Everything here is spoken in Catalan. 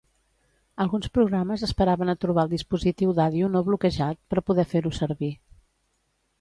Alguns programes esperaven a trobar el dispositiu d'àudio no bloquejat, per poder fer-ho servir.